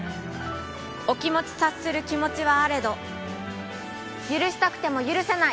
お気持ち察する気持ちはあれど許したくても許せない！